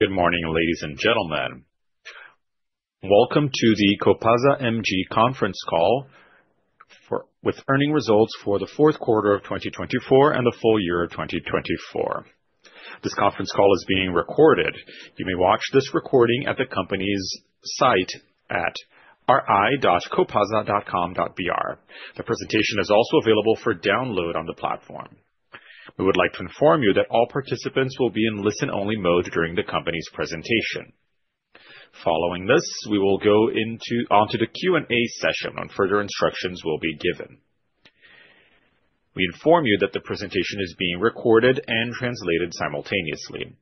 Good morning, ladies and gentlemen. Welcome to the Copasa MG conference call with earning results for the fourth quarter of 2024 and the full year of 2024. This conference call is being recorded. You may watch this recording at the company's site at ri.copasa.com.br. The presentation is also available for download on the platform. We would like to inform you that all participants will be in listen-only mode during the company's presentation. Following this, we will go onto the Q&A session, and further instructions will be given. We inform you that the presentation is being recorded and translated simultaneously.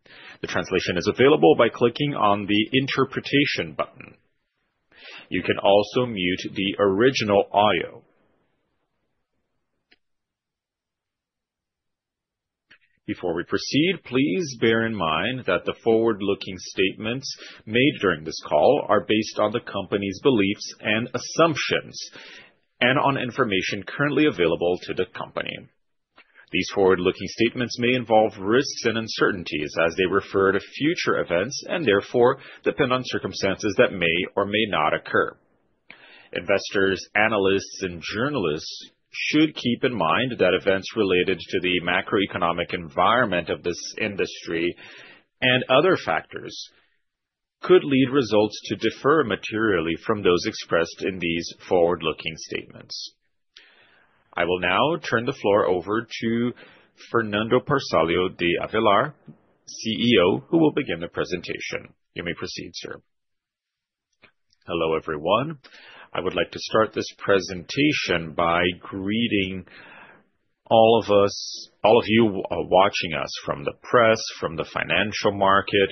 The translation is available by clicking on the interpretation button. You can also mute the original audio. Before we proceed, please bear in mind that the forward-looking statements made during this call are based on the company's beliefs and assumptions and on information currently available to the company. These forward-looking statements may involve risks and uncertainties as they refer to future events and therefore depend on circumstances that may or may not occur. Investors, analysts, and journalists should keep in mind that events related to the macroeconomic environment of this industry and other factors could lead results to differ materially from those expressed in these forward-looking statements. I will now turn the floor over to Fernando Passalio de Avelar, CEO, who will begin the presentation. You may proceed, sir. Hello, everyone. I would like to start this presentation by greeting all of you watching us from the press, from the financial market.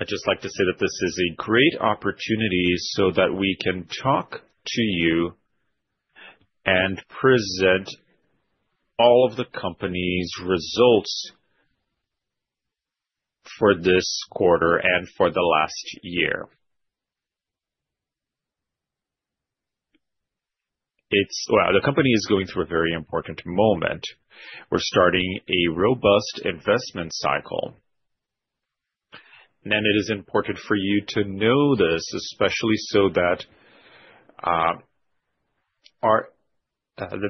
I'd just like to say that this is a great opportunity so that we can talk to you and present all of the company's results for this quarter and for the last year. The company is going through a very important moment. We're starting a robust investment cycle. It is important for you to know this, especially so that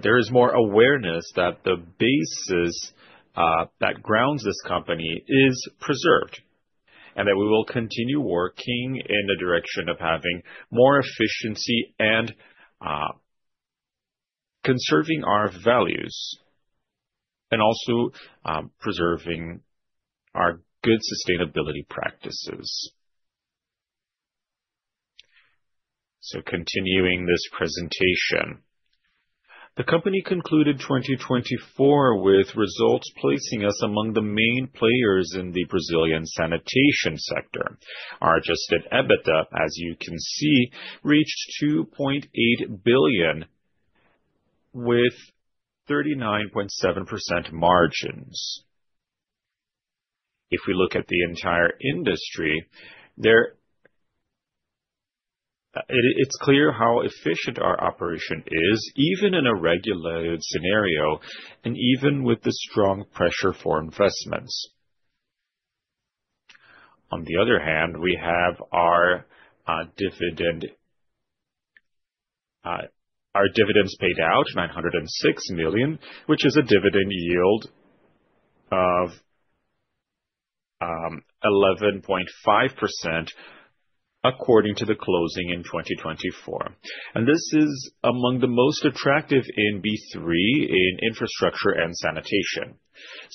there is more awareness that the basis that grounds this company is preserved and that we will continue working in the direction of having more efficiency and conserving our values and also preserving our good sustainability practices. Continuing this presentation, the company concluded 2024 with results placing us among the main players in the Brazilian sanitation sector. Our Adjusted EBITDA, as you can see, reached 2.8 billion with 39.7% margins. If we look at the entire industry, it's clear how efficient our operation is, even in a regulated scenario and even with the strong pressure for investments. On the other hand, we have our dividends paid out, 906 million, which is a dividend yield of 11.5% according to the closing in 2024. This is among the most attractive in B3 in infrastructure and sanitation.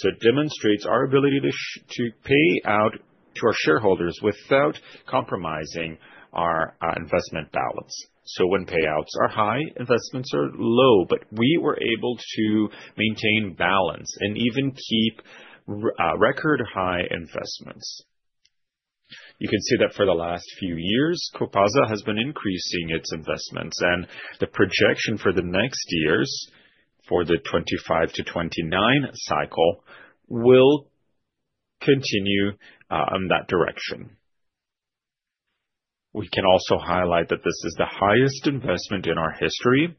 It demonstrates our ability to pay out to our shareholders without compromising our investment balance. When payouts are high, investments are low, but we were able to maintain balance and even keep record-high investments. You can see that for the last few years, Copasa has been increasing its investments, and the projection for the next years, for the 2025-2029 cycle, will continue in that direction. We can also highlight that this is the highest investment in our history.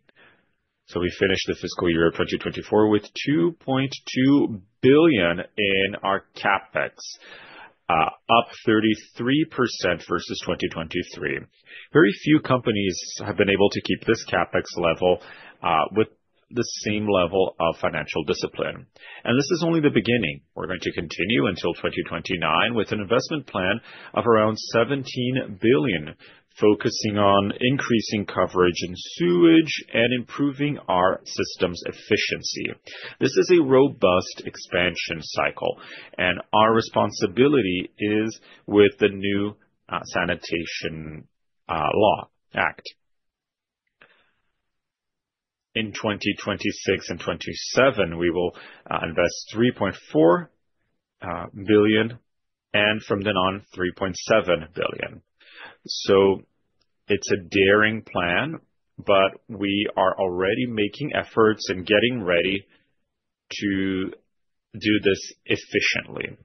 We finished the fiscal year of 2024 with 2.2 billion in our CapEx, up 33% versus 2023. Very few companies have been able to keep this CapEx level with the same level of financial discipline. This is only the beginning. We're going to continue until 2029 with an investment plan of around 17 billion, focusing on increasing coverage and sewage and improving our system's efficiency. This is a robust expansion cycle, and our responsibility is with the new Sanitation Act in 2026 and 2027. We will invest 3.4 billion and from then on, 3.7 billion. It is a daring plan, but we are already making efforts and getting ready to do this efficiently.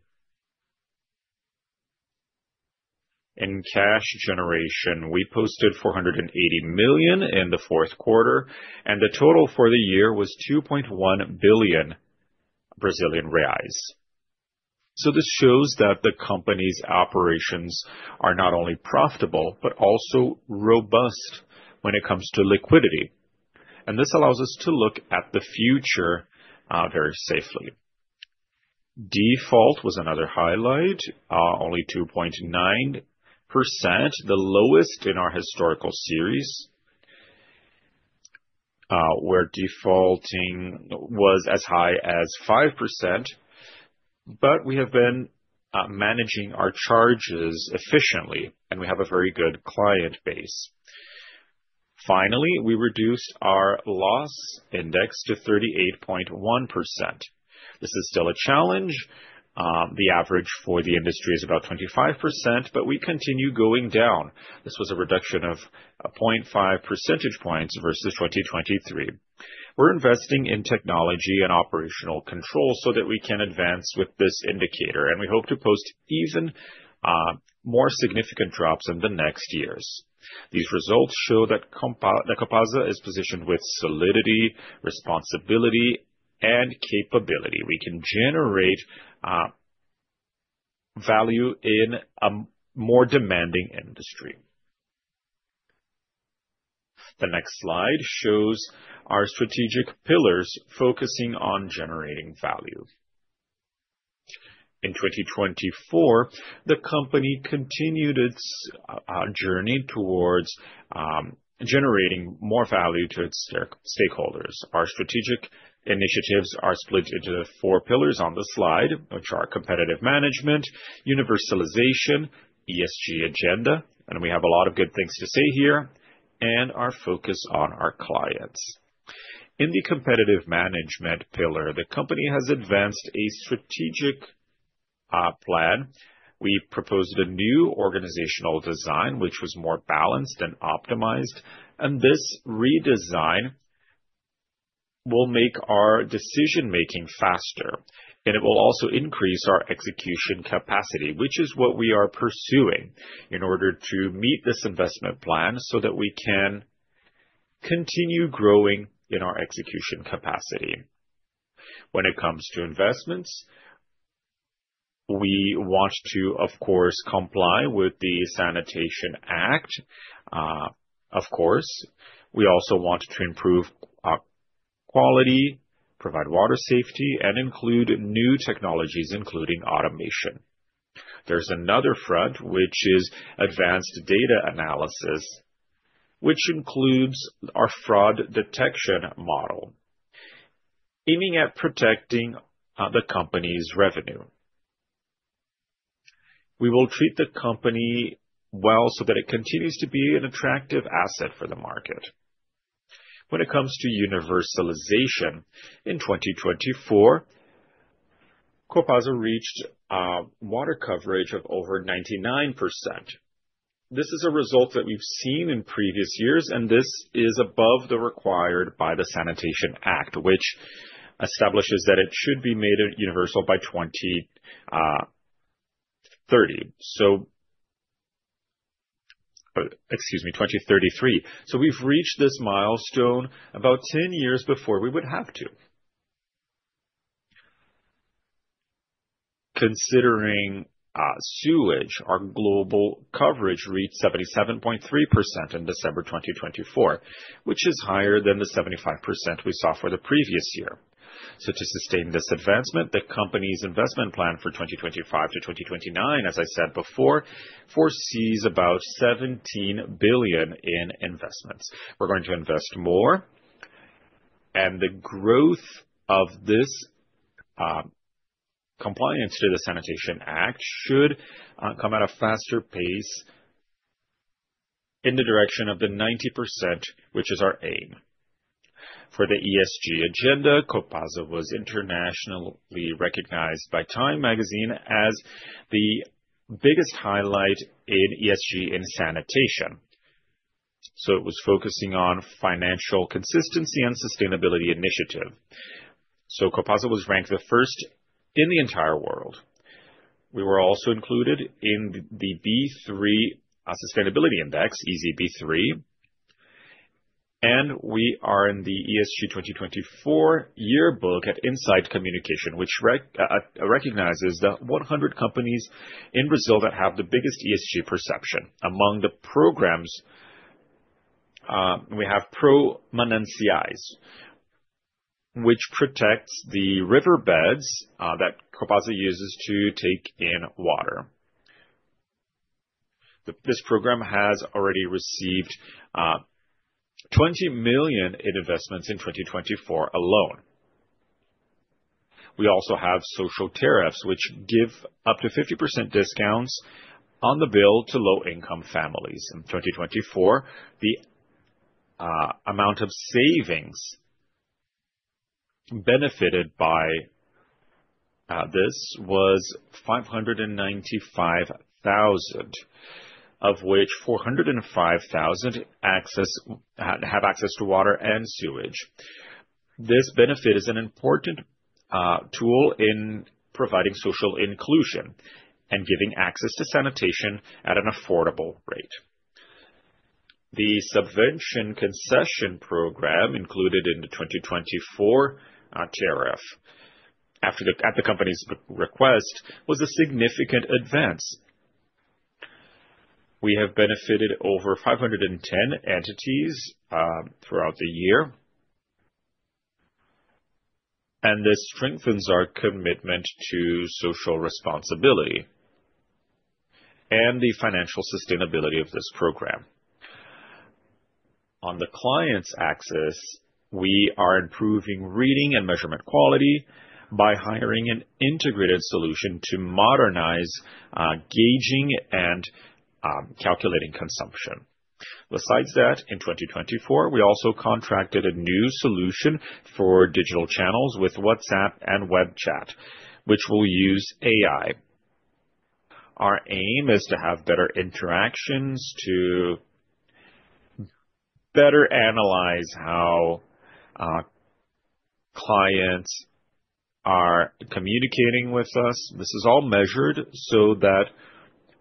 In cash generation, we posted 480 million in the fourth quarter, and the total for the year was 2.1 billion Brazilian reais. This shows that the company's operations are not only profitable but also robust when it comes to liquidity. This allows us to look at the future very safely. Default was another highlight, only 2.9%, the lowest in our historical series, where defaulting was as high as 5%. We have been managing our charges efficiently, and we have a very good client base. Finally, we reduced our loss index to 38.1%. This is still a challenge. The average for the industry is about 25%, but we continue going down. This was a reduction of 0.5 percentage points versus 2023. We are investing in technology and operational control so that we can advance with this indicator, and we hope to post even more significant drops in the next years. These results show that Copasa is positioned with solidity, responsibility, and capability. We can generate value in a more demanding industry. The next slide shows our strategic pillars focusing on generating value. In 2024, the company continued its journey towards generating more value to its stakeholders. Our strategic initiatives are split into four pillars on the slide, which are competitive management, universalization, ESG agenda, and we have a lot of good things to say here, and our focus on our clients. In the competitive management pillar, the company has advanced a strategic plan. We proposed a new organizational design, which was more balanced and optimized. This redesign will make our decision-making faster, and it will also increase our execution capacity, which is what we are pursuing in order to meet this investment plan so that we can continue growing in our execution capacity. When it comes to investments, we want to, of course, comply with the Sanitation Act. Of course, we also want to improve quality, provide water safety, and include new technologies, including automation. There is another front, which is advanced data analysis, which includes our fraud detection model, aiming at protecting the company's revenue. We will treat the company well so that it continues to be an attractive asset for the market. When it comes to universalization, in 2024, Copasa reached water coverage of over 99%. This is a result that we've seen in previous years, and this is above the required by the Sanitation Act, which establishes that it should be made universal by 2033. We've reached this milestone about 10 years before we would have to. Considering sewage, our global coverage reached 77.3% in December 2024, which is higher than the 75% we saw for the previous year. To sustain this advancement, the company's investment plan for 2025-2029, as I said before, foresees about 17 billion in investments. We're going to invest more, and the growth of this compliance to the Sanitation Act should come at a faster pace in the direction of the 90%, which is our aim. For the ESG agenda, Copasa was internationally recognized by TIME Magazine as the biggest highlight in ESG in sanitation. It was focusing on financial consistency and sustainability initiative. Copasa was ranked the first in the entire world. We were also included in the B3 Sustainability Index, ISE B3, and we are in the ESG 2024 yearbook at Insight Comunicação, which recognizes the 100 companies in Brazil that have the biggest ESG perception. Among the programs, we have Pró-Mananciais, which protects the riverbeds that Copasa uses to take in water. This program has already received 20 million in investments in 2024 alone. We also have social tariffs, which give up to 50% discounts on the bill to low-income families. In 2024, the amount of savings benefited by this was 595,000, of which 405,000 have access to water and sewage. This benefit is an important tool in providing social inclusion and giving access to sanitation at an affordable rate. The subvention concession program included in the 2024 tariff, at the company's request, was a significant advance. We have benefited over 510 entities throughout the year, and this strengthens our commitment to social responsibility and the financial sustainability of this program. On the client's axis, we are improving reading and measurement quality by hiring an integrated solution to modernize gauging and calculating consumption. Besides that, in 2024, we also contracted a new solution for digital channels with WhatsApp and web chat, which will use AI. Our aim is to have better interactions, to better analyze how clients are communicating with us. This is all measured so that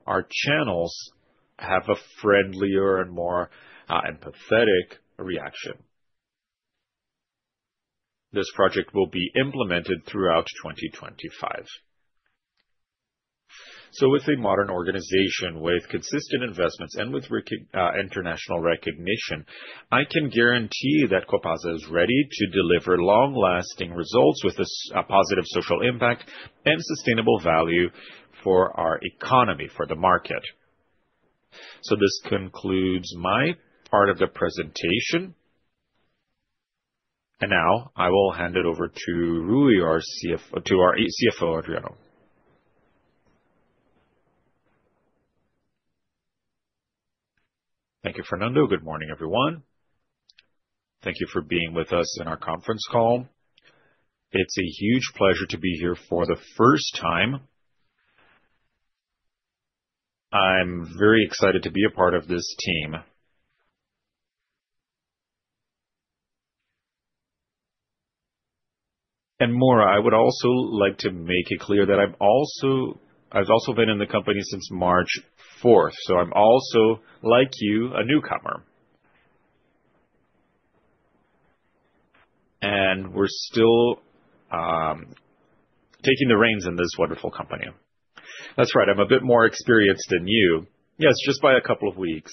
our channels have a friendlier and more empathetic reaction. This project will be implemented throughout 2025. With a modern organization, with consistent investments, and with international recognition, I can guarantee that Copasa is ready to deliver long-lasting results with a positive social impact and sustainable value for our economy, for the market. This concludes my part of the presentation. I will hand it over to our CFO, Adriano. Thank you, Fernando. Good morning, everyone. Thank you for being with us in our conference call. It's a huge pleasure to be here for the first time. I'm very excited to be a part of this team. Maura, I would also like to make it clear that I've also been in the company since March 4th. I'm also, like you, a newcomer. We're still taking the reins in this wonderful company. That's right. I'm a bit more experienced than you. Yes, just by a couple of weeks.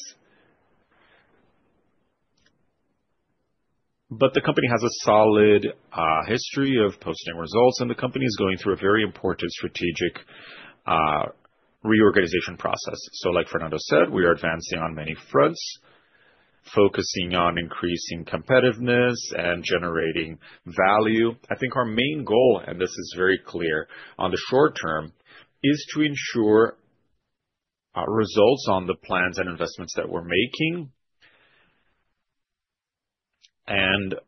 The company has a solid history of posting results, and the company is going through a very important strategic reorganization process. Like Fernando said, we are advancing on many fronts, focusing on increasing competitiveness and generating value. I think our main goal, and this is very clear on the short term, is to ensure results on the plans and investments that we're making.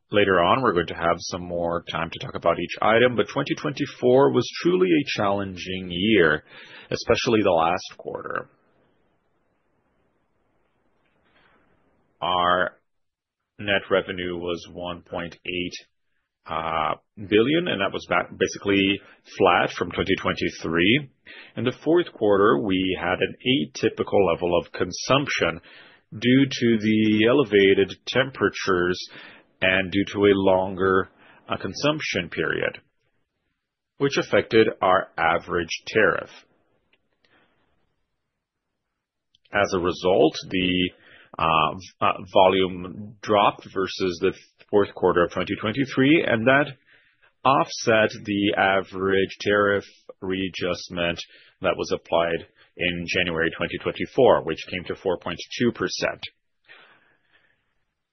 Later on, we're going to have some more time to talk about each item. 2024 was truly a challenging year, especially the last quarter. Our net revenue was 1.8 billion, and that was basically flat from 2023. In the fourth quarter, we had an atypical level of consumption due to the elevated temperatures and due to a longer consumption period, which affected our average tariff. As a result, the volume dropped versus the fourth quarter of 2023, and that offset the average tariff readjustment that was applied in January 2024, which came to 4.2%.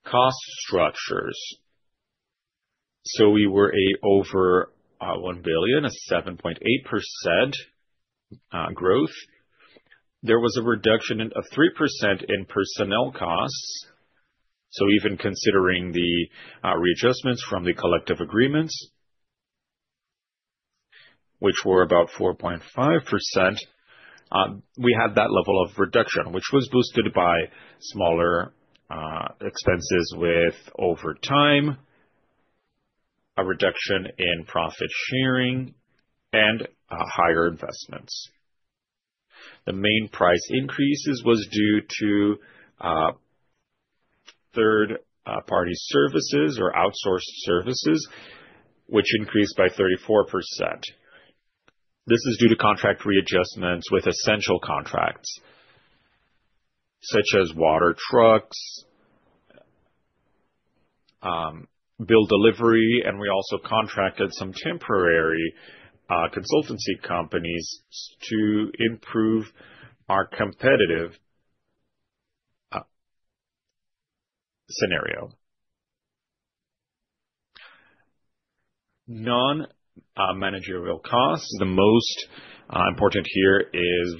Cost structures. We were over 1 billion, a 7.8% growth. There was a reduction of 3% in personnel costs. Even considering the readjustments from the collective agreements, which were about 4.5%, we had that level of reduction, which was boosted by smaller expenses with overtime, a reduction in profit sharing, and higher investments. The main price increases were due to third-party services or outsourced services, which increased by 34%. This is due to contract readjustments with essential contracts, such as water trucks, bill delivery, and we also contracted some temporary consultancy companies to improve our competitive scenario. Non-managerial costs. The most important here is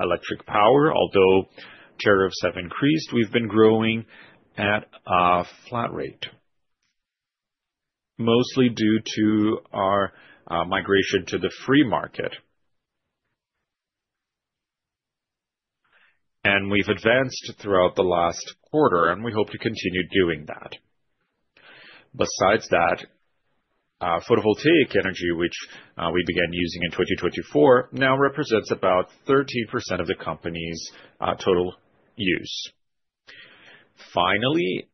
electric power. Although tariffs have increased, we've been growing at a flat rate, mostly due to our migration to the free market. We have advanced throughout the last quarter, and we hope to continue doing that. Besides that, photovoltaic energy, which we began using in 2024, now represents about 13% of the company's total use. Finally,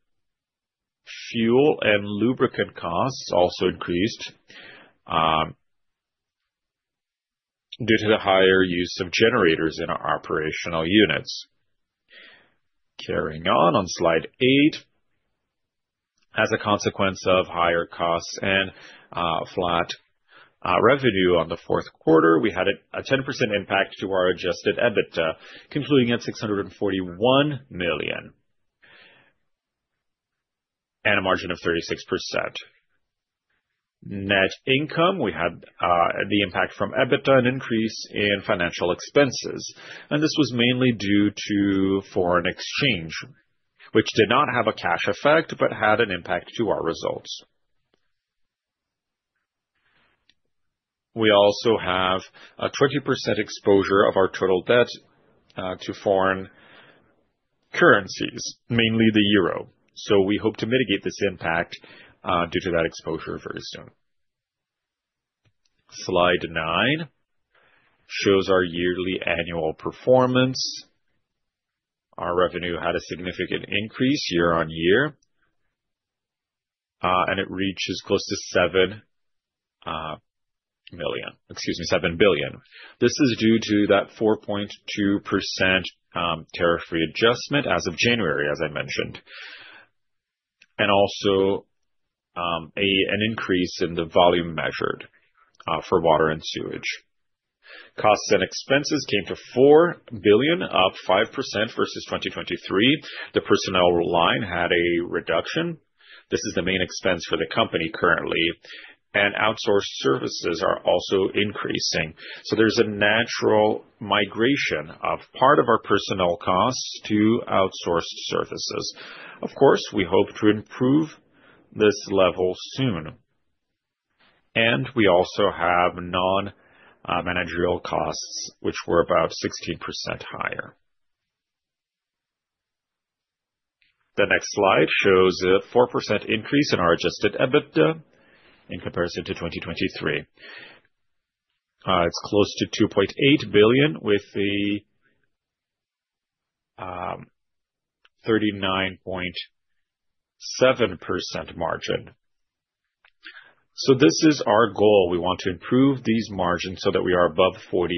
fuel and lubricant costs also increased due to the higher use of generators in our operational units. Carrying on, on slide 8, as a consequence of higher costs and flat revenue in the fourth quarter, we had a 10% impact to our adjusted EBITDA, concluding at 641 million and a margin of 36%. Net income, we had the impact from EBITDA and increase in financial expenses. This was mainly due to foreign exchange, which did not have a cash effect but had an impact to our results. We also have a 20% exposure of our total debt to foreign currencies, mainly the euro. We hope to mitigate this impact due to that exposure very soon. Slide 9 shows our yearly annual performance. Our revenue had a significant increase year on year, and it reaches close to 7 billion. Excuse me, 7 billion. This is due to that 4.2% tariff readjustment as of January, as I mentioned, and also an increase in the volume measured for water and sewage. Costs and expenses came to 4 billion, up 5% versus 2023. The personnel line had a reduction. This is the main expense for the company currently. Outsourced services are also increasing. There is a natural migration of part of our personnel costs to outsourced services. Of course, we hope to improve this level soon. We also have non-managerial costs, which were about 16% higher. The next slide shows a 4% increase in our Adjusted EBITDA in comparison to 2023. It is close to BRL 2.8 billion with a 39.7% margin. This is our goal. We want to improve these margins so that we are above 40%.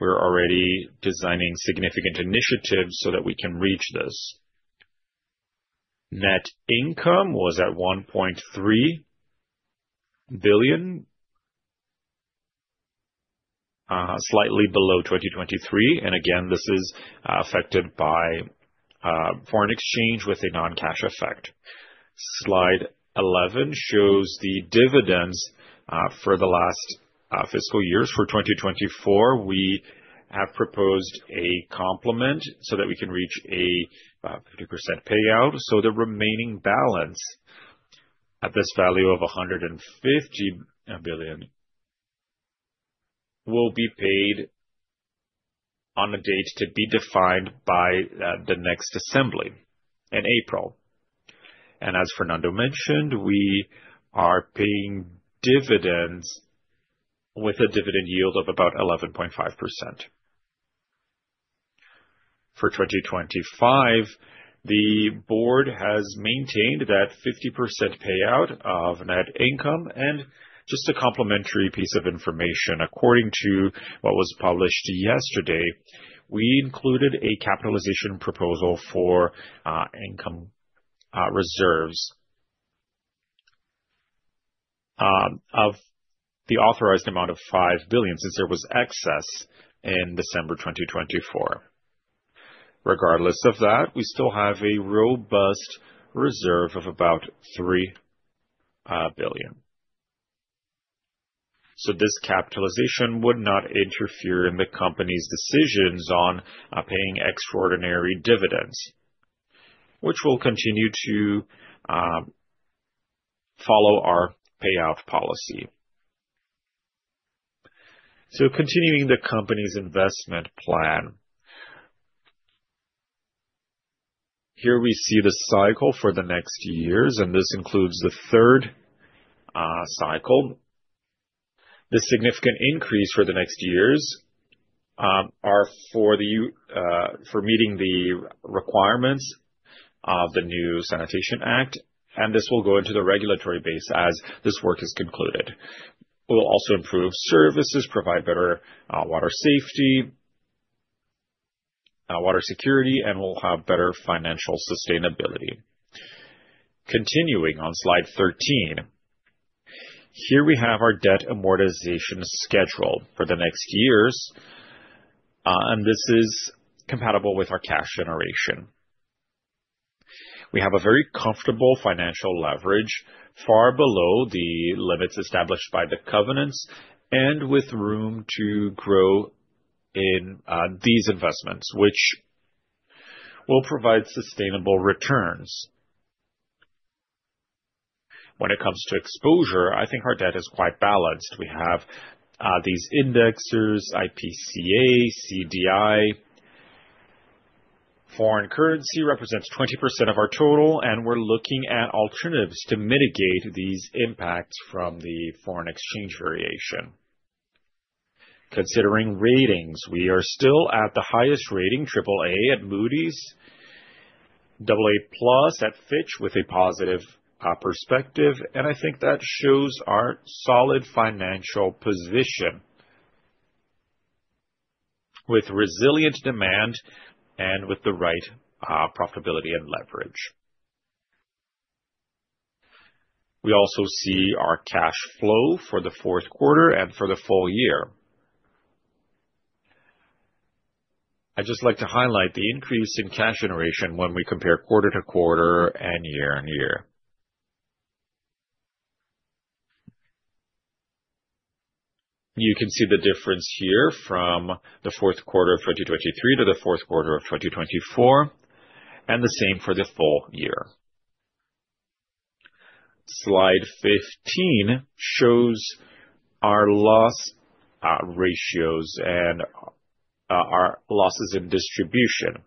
We are already designing significant initiatives so that we can reach this. Net income was at BRL 1.3 billion, slightly below 2023. This is affected by foreign exchange with a non-cash effect. Slide 11 shows the dividends for the last fiscal years. For 2024, we have proposed a complement so that we can reach a 50% payout. The remaining balance at this value of 150 million will be paid on a date to be defined by the next assembly in April. As Fernando mentioned, we are paying dividends with a dividend yield of about 11.5%. For 2025, the board has maintained that 50% payout of net income. Just a complimentary piece of information, according to what was published yesterday, we included a capitalization proposal for income reserves of the authorized amount of 5 billion, since there was excess in December 2024. Regardless of that, we still have a robust reserve of about 3 billion. This capitalization would not interfere in the company's decisions on paying extraordinary dividends, which will continue to follow our payout policy. Continuing the company's investment plan, here we see the cycle for the next years, and this includes the third cycle. The significant increase for the next years are for meeting the requirements of the new Sanitation Act, and this will go into the regulatory base as this work is concluded. We'll also improve services, provide better water safety, water security, and we'll have better financial sustainability. Continuing on slide 13, here we have our debt amortization schedule for the next years, and this is compatible with our cash generation. We have a very comfortable financial leverage, far below the limits established by the covenants, and with room to grow in these investments, which will provide sustainable returns. When it comes to exposure, I think our debt is quite balanced. We have these indexes, IPCA, CDI. Foreign currency represents 20% of our total, and we're looking at alternatives to mitigate these impacts from the foreign exchange variation. Considering ratings, we are still at the highest rating, AAA at Moody's, AA+ at Fitch with a positive perspective, and I think that shows our solid financial position with resilient demand and with the right profitability and leverage. We also see our cash flow for the fourth quarter and for the full year. I'd just like to highlight the increase in cash generation when we compare quarter to quarter and year on year. You can see the difference here from the fourth quarter of 2023 to the fourth quarter of 2024, and the same for the full year. Slide 15 shows our loss ratios and our losses in distribution.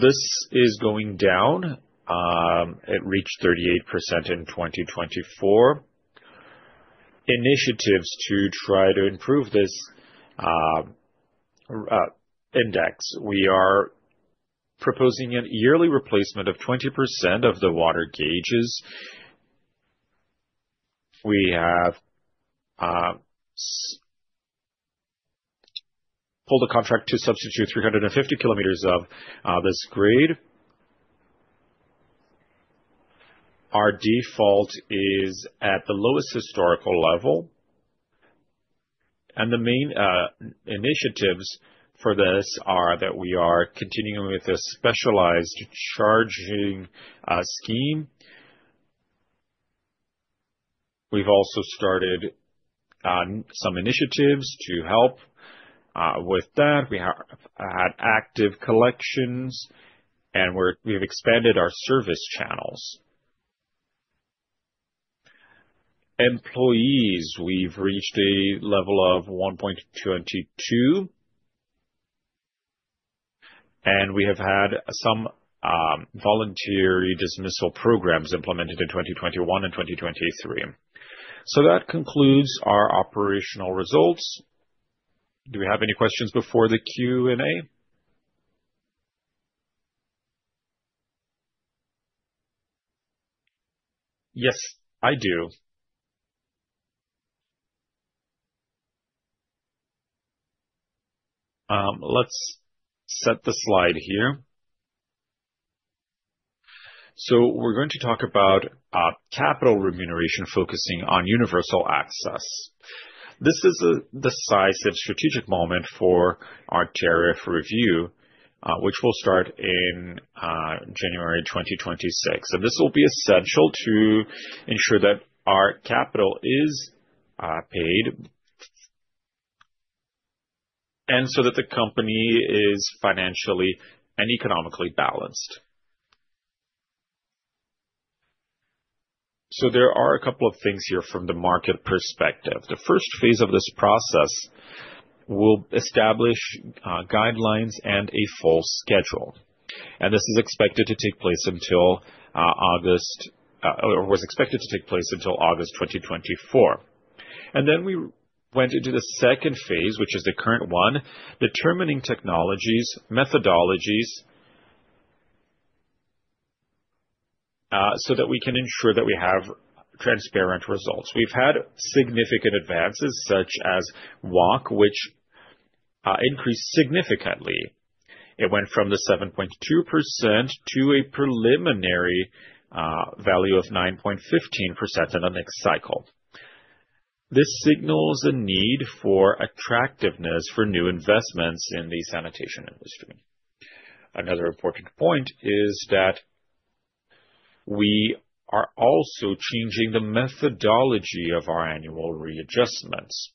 This is going down. It reached 38% in 2024. Initiatives to try to improve this index. We are proposing a yearly replacement of 20% of the water gauges. We have pulled a contract to substitute 350 km of this grid. Our default is at the lowest historical level. The main initiatives for this are that we are continuing with a specialized charging scheme. We have also started some initiatives to help with that. We had active collections, and we have expanded our service channels. Employees, we have reached a level of 1.22, and we have had some voluntary dismissal programs implemented in 2021 and 2023. That concludes our operational results. Do we have any questions before the Q&A? Yes, I do. Let's set the slide here. We are going to talk about capital remuneration focusing on universal access. This is the decisive strategic moment for our tariff review, which will start in January 2026. This will be essential to ensure that our capital is paid and so that the company is financially and economically balanced. There are a couple of things here from the market perspective. The first phase of this process will establish guidelines and a full schedule. This is expected to take place until August 2024. Then we went into the second phase, which is the current one, determining technologies, methodologies so that we can ensure that we have transparent results. We've had significant advances such as WACC, which increased significantly. It went from 7.2% to a preliminary value of 9.15% in the next cycle. This signals a need for attractiveness for new investments in the sanitation industry. Another important point is that we are also changing the methodology of our annual readjustments,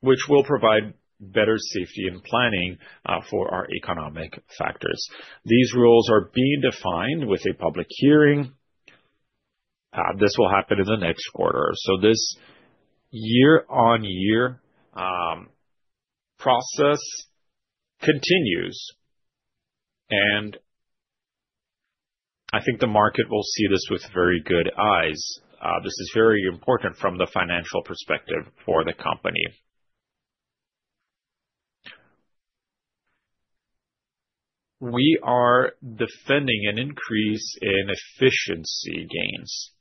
which will provide better safety and planning for our economic factors. These rules are being defined with a public hearing. This will happen in the next quarter. This year-on-year process continues, and I think the market will see this with very good eyes. This is very important from the financial perspective for the company. We are defending an increase in efficiency gains.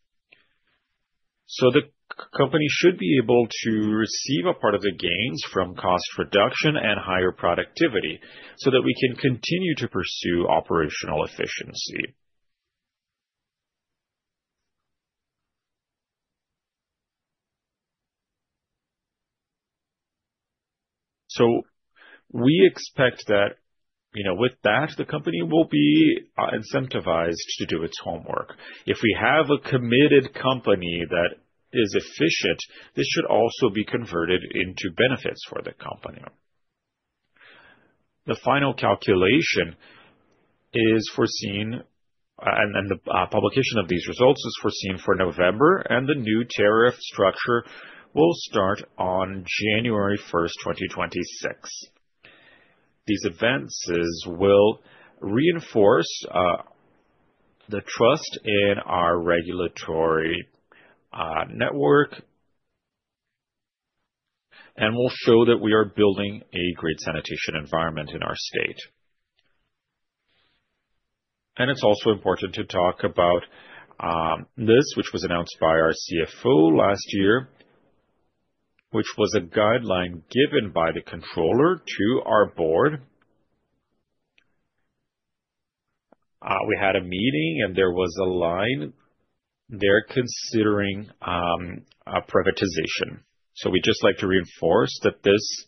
The company should be able to receive a part of the gains from cost reduction and higher productivity so that we can continue to pursue operational efficiency. We expect that with that, the company will be incentivized to do its homework. If we have a committed company that is efficient, this should also be converted into benefits for the company. The final calculation is foreseen, and the publication of these results is foreseen for November, and the new tariff structure will start on January 1, 2026. These advances will reinforce the trust in our regulatory network and will show that we are building a great sanitation environment in our state. It is also important to talk about this, which was announced by our CFO last year, which was a guideline given by the controller to our board. We had a meeting, and there was a line there considering privatization. We would just like to reinforce that this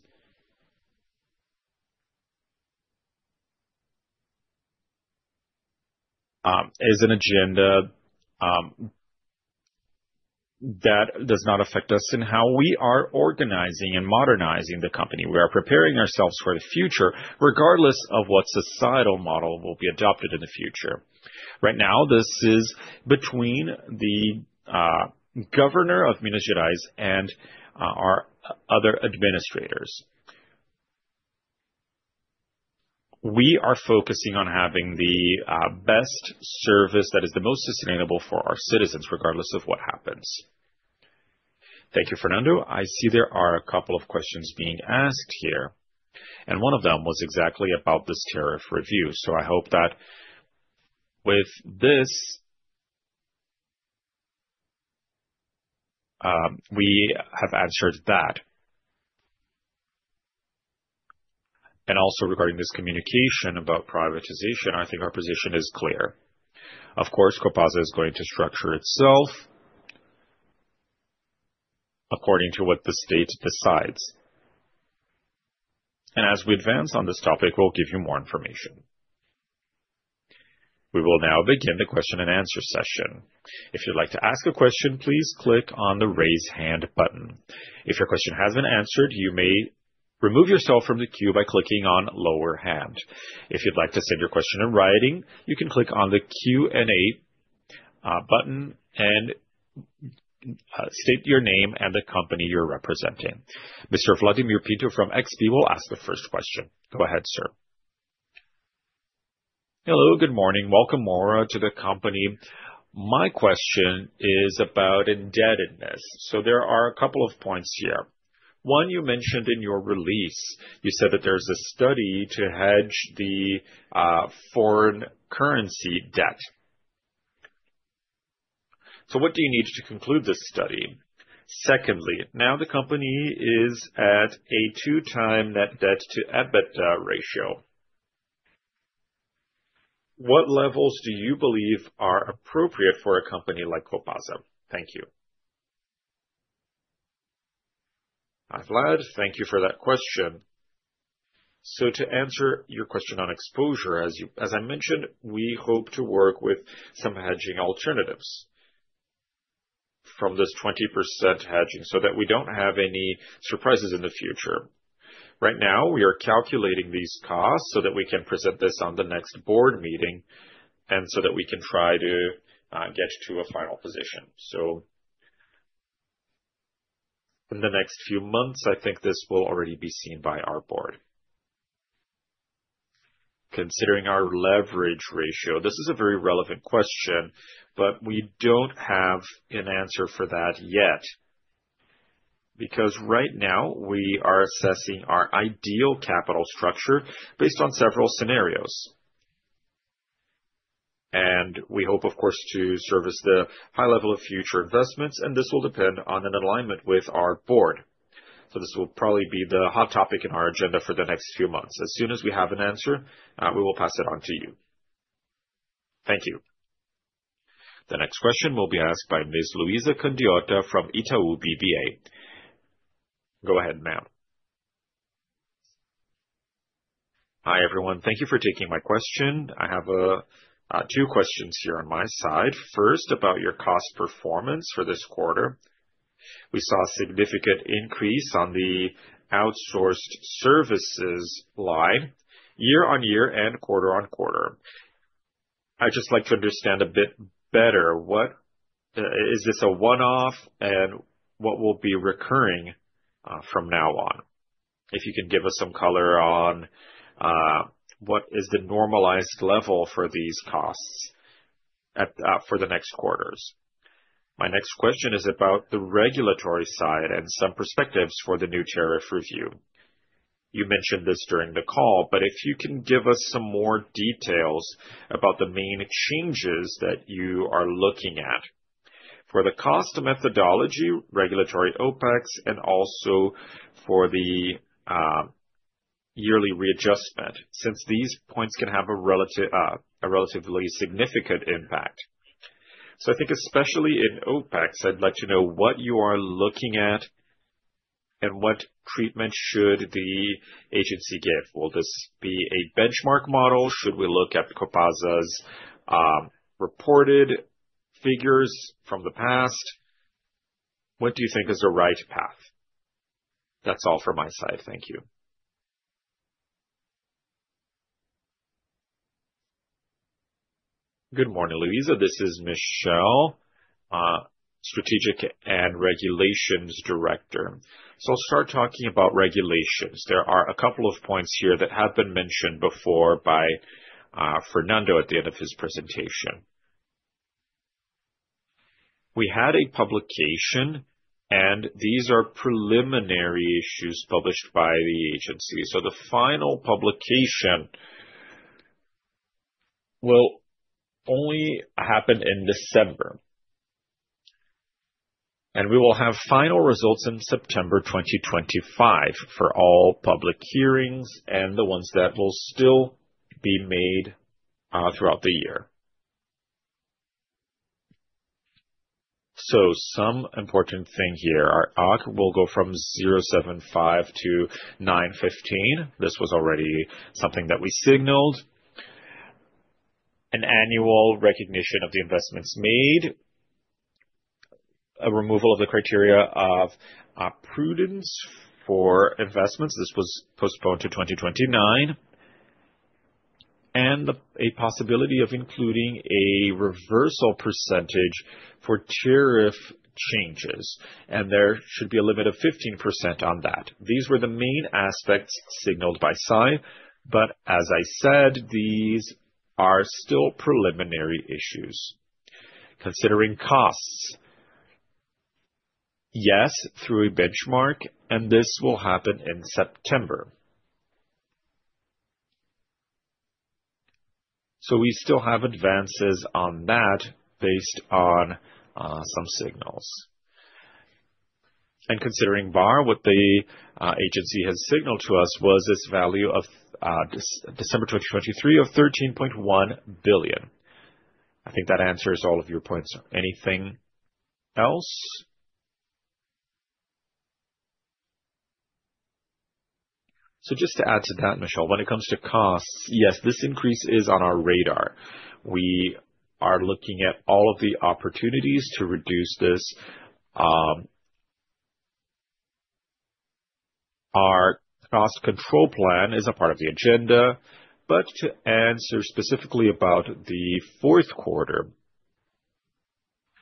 is an agenda that does not affect us in how we are organizing and modernizing the company. We are preparing ourselves for the future regardless of what societal model will be adopted in the future. Right now, this is between the governor of Minas Gerais and our other administrators. We are focusing on having the best service that is the most sustainable for our citizens, regardless of what happens. Thank you, Fernando. I see there are a couple of questions being asked here. One of them was exactly about this tariff review. I hope that with this, we have answered that. Also regarding this communication about privatization, I think our position is clear. Of course, Copasa MG is going to structure itself according to what the state decides. As we advance on this topic, we'll give you more information. We will now begin the question and answer session. If you'd like to ask a question, please click on the raise hand button. If your question has been answered, you may remove yourself from the queue by clicking on lower hand. If you'd like to send your question in writing, you can click on the Q&A button and state your name and the company you're representing. Mr. Vladimir Pinto from XP will ask the first question. Go ahead, sir. Hello, good morning. Welcome, Maura, to the company. My question is about indebtedness. There are a couple of points here. One, you mentioned in your release, you said that there's a study to hedge the foreign currency debt. What do you need to conclude this study? Secondly, now the company is at a two-time net debt to EBITDA ratio. What levels do you believe are appropriate for a company like Copasa? Thank you. I'm glad. Thank you for that question. To answer your question on exposure, as I mentioned, we hope to work with some hedging alternatives from this 20% hedging so that we don't have any surprises in the future. Right now, we are calculating these costs so that we can present this at the next board meeting and so that we can try to get to a final position. In the next few months, I think this will already be seen by our board. Considering our leverage ratio, this is a very relevant question, but we do not have an answer for that yet because right now we are assessing our ideal capital structure based on several scenarios. We hope, of course, to service the high level of future investments, and this will depend on an alignment with our board. This will probably be the hot topic in our agenda for the next few months. As soon as we have an answer, we will pass it on to you. Thank you. The next question will be asked by Ms. Luiza Candiota from Itaú BBA. Go ahead, ma'am. Hi, everyone. Thank you for taking my question. I have two questions here on my side. First, about your cost performance for this quarter. We saw a significant increase on the outsourced services line year on year and quarter on quarter. I'd just like to understand a bit better. Is this a one-off, and what will be recurring from now on? If you can give us some color on what is the normalized level for these costs for the next quarters. My next question is about the regulatory side and some perspectives for the new tariff review. You mentioned this during the call, but if you can give us some more details about the main changes that you are looking at for the cost methodology, regulatory OpEx, and also for the yearly readjustment, since these points can have a relatively significant impact. I think especially in OpEx, I'd like to know what you are looking at and what treatment should the agency give. Will this be a benchmark model? Should we look at Copasa reported figures from the past? What do you think is the right path? That's all from my side. Thank you. Good morning, Luisa. This is Michelle, Strategic and Regulations Director. I'll start talking about regulations. There are a couple of points here that have been mentioned before by Fernando at the end of his presentation. We had a publication, and these are preliminary issues published by the agency. The final publication will only happen in December. We will have final results in September 2025 for all public hearings and the ones that will still be made throughout the year. Some important thing here, our WACC will go from 0.75-9.15. This was already something that we signaled. An annual recognition of the investments made, a removal of the criteria of prudence for investments. This was postponed to 2029. A possibility of including a reversal percentage for tariff changes. There should be a limit of 15% on that. These were the main aspects signaled by Arsae, but as I said, these are still preliminary issues. Considering costs, yes, through a benchmark, and this will happen in September. We still have advances on that based on some signals. Considering BAR, what the agency has signaled to us was this value of December 2023 of 13.1 billion. I think that answers all of your points. Anything else? Just to add to that, Michelle, when it comes to costs, yes, this increase is on our radar. We are looking at all of the opportunities to reduce this. Our cost control plan is a part of the agenda, but to answer specifically about the fourth quarter,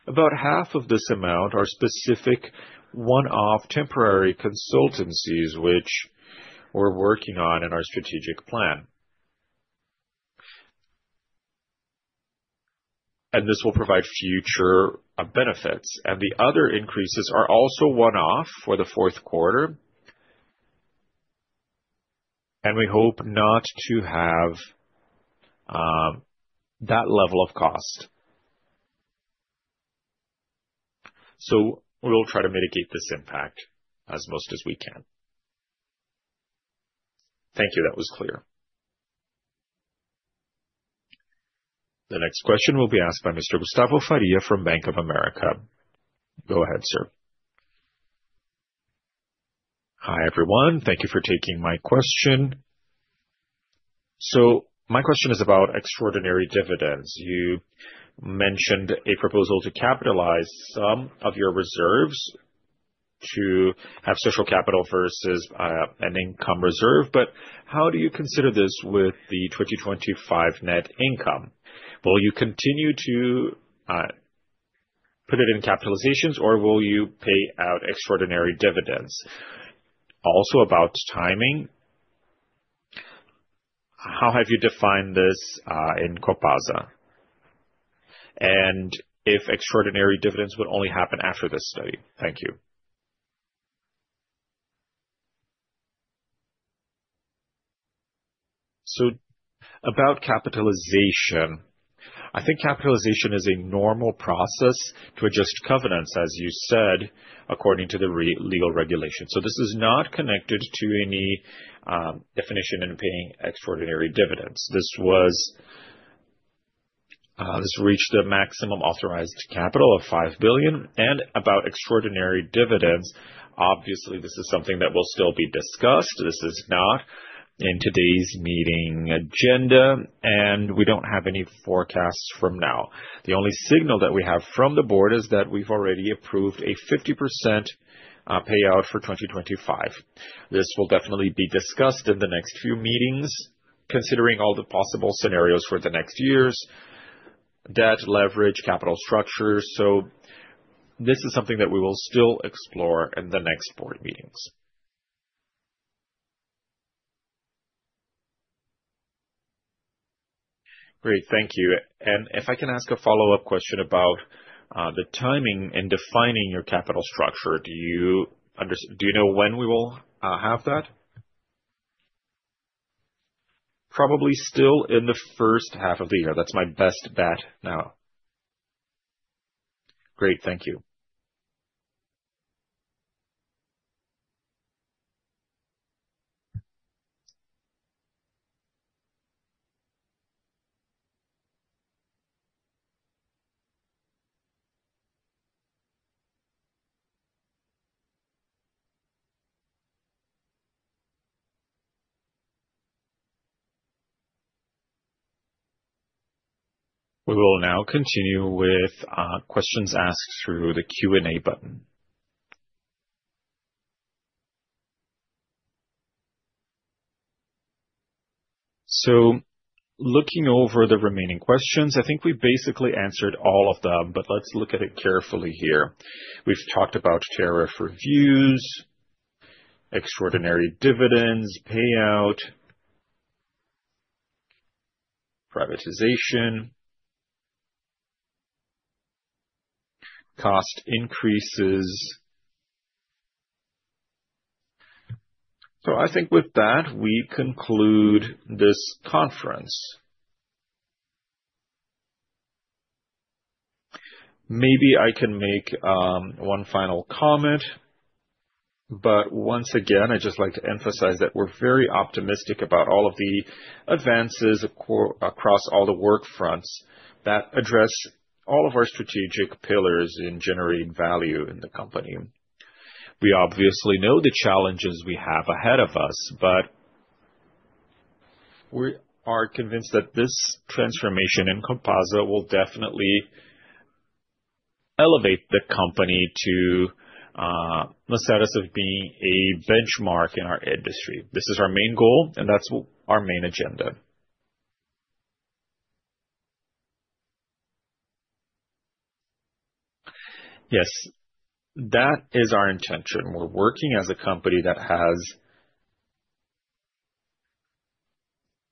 about half of this amount are specific one-off temporary consultancies which we are working on in our strategic plan. This will provide future benefits. The other increases are also one-off for the fourth quarter. We hope not to have that level of cost. We will try to mitigate this impact as much as we can. Thank you. That was clear. The next question will be asked by Mr. Gustavo Faria from Bank of America. Go ahead, sir. Hi, everyone. Thank you for taking my question. My question is about extraordinary dividends. You mentioned a proposal to capitalize some of your reserves to have social capital versus an income reserve, but how do you consider this with the 2025 net income? Will you continue to put it in capitalizations, or will you pay out extraordinary dividends? Also about timing, how have you defined this in Copasa? If extraordinary dividends would only happen after this study. Thank you. About capitalization, I think capitalization is a normal process to adjust covenants, as you said, according to the legal regulation. This is not connected to any definition in paying extraordinary dividends. This reached the maximum authorized capital of 5 billion. About extraordinary dividends, obviously, this is something that will still be discussed. This is not in today's meeting agenda, and we do not have any forecasts from now. The only signal that we have from the board is that we have already approved a 50% payout for 2025. This will definitely be discussed in the next few meetings, considering all the possible scenarios for the next years, debt leverage, capital structures. This is something that we will still explore in the next board meetings. Great. Thank you. If I can ask a follow-up question about the timing in defining your capital structure, do you know when we will have that? Probably still in the first half of the year. That's my best bet now. Great. Thank you. We will now continue with questions asked through the Q&A button. Looking over the remaining questions, I think we basically answered all of them, but let's look at it carefully here. We've talked about tariff reviews, extraordinary dividends, payout, privatization, cost increases. I think with that, we conclude this conference. Maybe I can make one final comment, but once again, I'd just like to emphasize that we're very optimistic about all of the advances across all the workfronts that address all of our strategic pillars in generating value in the company. We obviously know the challenges we have ahead of us, but we are convinced that this transformation in Copasa will definitely elevate the company to the status of being a benchmark in our industry. This is our main goal, and that's our main agenda. Yes, that is our intention. We're working as a company that has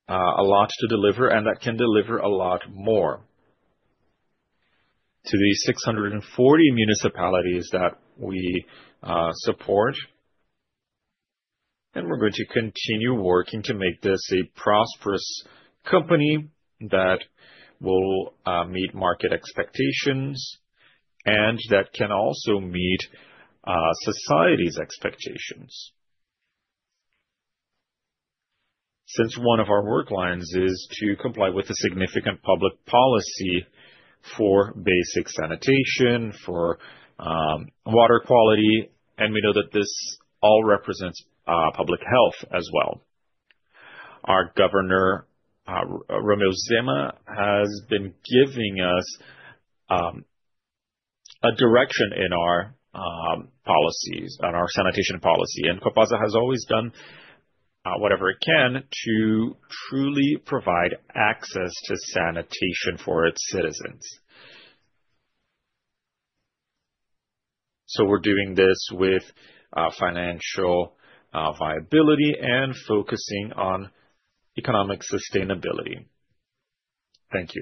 a lot to deliver and that can deliver a lot more to the 640 municipalities that we support. We're going to continue working to make this a prosperous company that will meet market expectations and that can also meet society's expectations. Since one of our work lines is to comply with a significant public policy for basic sanitation, for water quality, and we know that this all represents public health as well. Our Governor Romeu Zema has been giving us a direction in our policies, on our sanitation policy. Copasa has always done whatever it can to truly provide access to sanitation for its citizens. We are doing this with financial viability and focusing on economic sustainability. Thank you.